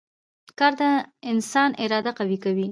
کار د انسان اراده قوي کوي